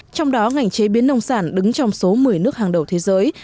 trong đó ngành chế biến nông sản đứng trong số một mươi nước hàng đầu thế giới